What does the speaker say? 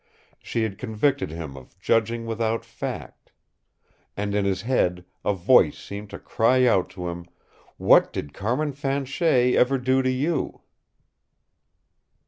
She had convicted him of judging without fact. And in his head a voice seemed to cry out to him, "What did Carmin Fanchet ever do to you?"